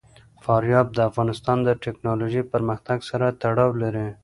فاریاب د افغانستان د تکنالوژۍ پرمختګ سره تړاو لري.